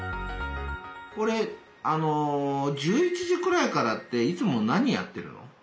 これ１１時くらいからっていつも何やってるの？